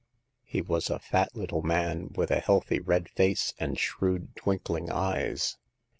He was a fat little man, with a healthy red face and shrewd twinkling eyes.